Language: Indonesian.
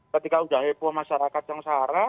ketika udah heboh masyarakat yang seharga